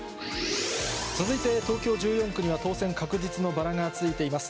続いて東京１４区には、当選確実のバラがついています。